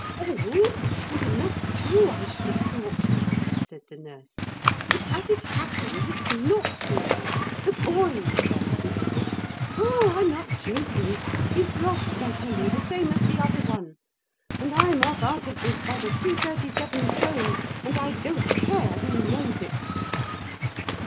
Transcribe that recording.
'All? And enough too, I should have thought,' said the nurse. 'But as it happens it's not all. The boy's lost now. Oh, I'm not joking. He's lost I tell you, the same as the other one and I'm off out of this by the two thirty seven train, and I don't care who knows it.'